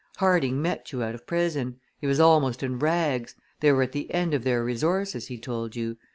Harding met you out of prison. He was almost in rags. They were at the end of their resources, he told you.